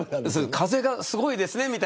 風がすごいですねって